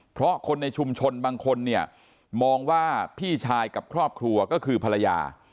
เพราะคนในชุมชนบางคนเนี่ยมองว่าพี่ชายกับครอบครัวก็คือภรรยา